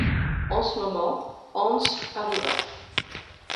En ce moment Hans arriva.